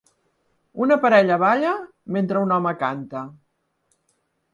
Una parella balla mentre un home canta